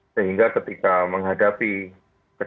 sehingga ketika menghadirkan